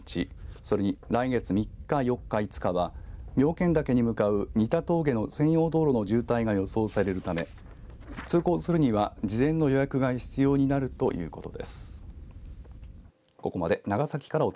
それに来月３日、４日、５日は妙見岳に向かう仁田峠の専用道路の渋滞が予想されるため通行するには事前の予約が必要になるということです。